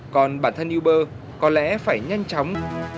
còn bản thân uber có lẽ phải nhanh chóng